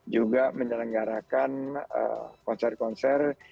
juga menyelenggarakan konser konser